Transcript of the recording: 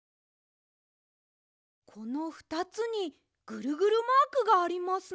このふたつにぐるぐるマークがありますね。